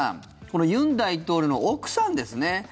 この尹大統領の奥さんですね